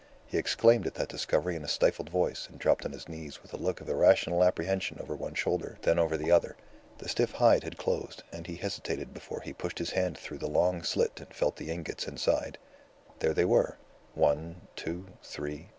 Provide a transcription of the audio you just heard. He exclaimed at that discovery in a stifled voice, and dropped on his knees with a look of irrational apprehension over one shoulder, then over the other. The stiff hide had closed, and he hesitated before he pushed his hand through the long slit and felt the ingots inside. There they were. One, two, three.